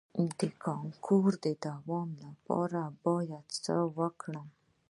د کانګو د دوام لپاره باید څه وکړم؟